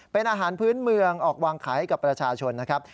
เป็นอาหารพื้นเมืองออกวางขายให้กับประชาชนนะครับ